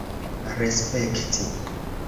respekti